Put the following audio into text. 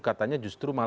katanya justru malam ini